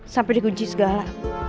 sampai dikunci segala